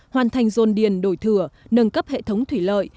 hoàn thành dôn điền đổi thừa nâng cấp hệ thống thủy lợi